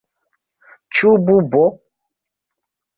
Ĉu bubo?